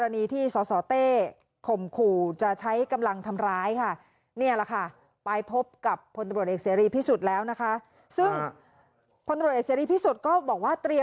นี่ยื่นพลตุรีอีกซีรีย์พิสุทธิ์ค่ะ